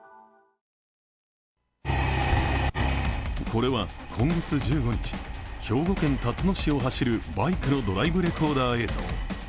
これは今月１５日、兵庫県たつの市を走るバイクのドライブレコーダー映像。